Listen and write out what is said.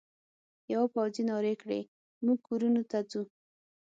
یوه پوځي نارې کړې: موږ کورونو ته ځو.